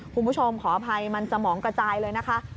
คุณผู้ชมขออภัยมันจะหมองกระจายเลยนะคะ